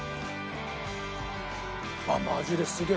あっマジですげえ。